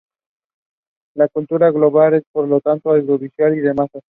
La cultura global es por lo tanto audiovisual, y de masas.